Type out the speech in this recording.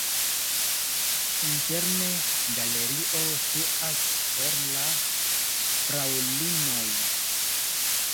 Interne galerio situas por la fraŭlinoj.